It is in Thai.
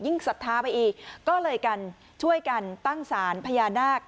ศรัทธาไปอีกก็เลยกันช่วยกันตั้งสารพญานาค